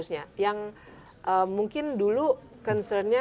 yang mungkin dulu concernnya